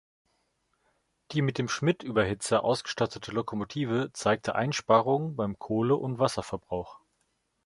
Die mit dem Schmidt-Überhitzer ausgestattete Lokomotive zeigte Einsparungen beim Kohle- und Wasserverbrauch.